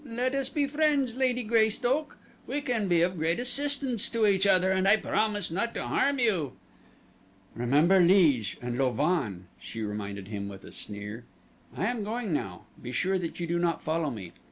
"Let us be friends, Lady Greystoke. We can be of great assistance to each other and I promise not to harm you." "Remember Liege and Louvain," she reminded him with a sneer. "I am going now be sure that you do not follow me.